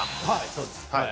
はいそうですね。